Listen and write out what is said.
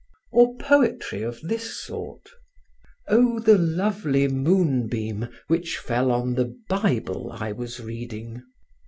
Or poetry of this sort: O the lovely moonbeam which fell on the Bible I was reading!